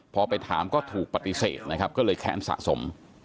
พอไปถามก็ถูกปฏิเสธนะครับก็เลยแค้นสะสม